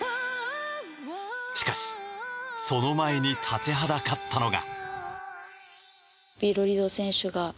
しかし、その前に立ちはだかったのは。